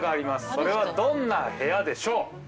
それはどんな部屋でしょう？